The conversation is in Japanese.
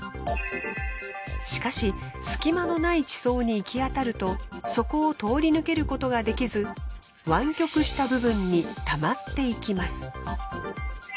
しかし隙間のない地層に行き当たるとそこを通り抜けることができず湾曲した部分にたまっていきます。